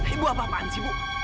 ibu apaan sih bu